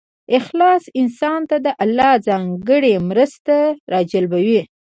اخلاص انسان ته د الله ځانګړې مرسته راجلبوي.